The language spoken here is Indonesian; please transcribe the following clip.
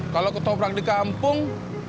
kalo ketoprak di kampung